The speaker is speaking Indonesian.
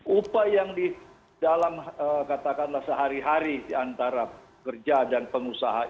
upah yang di dalam katakanlah sehari hari diantara kerja dan pengusaha